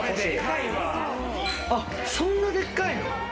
あっそんなでっかいの！？